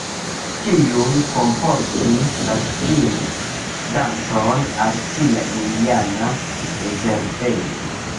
Tiuj kunportis la spirit-dancon al sia indiana rezervejo.